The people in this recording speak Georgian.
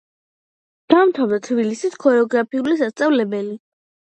დაამთავრა თბილისის ქორეოგრაფიული სასწავლებელი.